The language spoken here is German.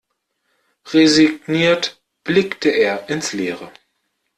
Resigniert blickte er ins Leere.